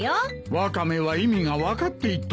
ワカメは意味が分かって言っとるのか。